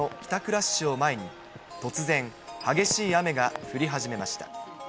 ラッシュを前に、突然、激しい雨が降り始めました。